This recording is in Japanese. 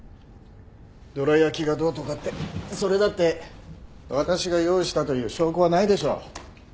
どら焼きがどうとかってそれだって私が用意したという証拠はないでしょう。